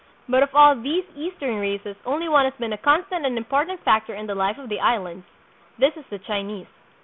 But of all these Eastern races only one has been a constant and important factor in the life of the Islands. This is the Chinese.